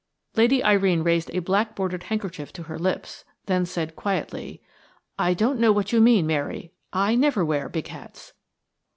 Lady Irene raised a black bordered handkerchief to her lips, then said quietly: "I don't know what you mean, Mary. I never wear big hats."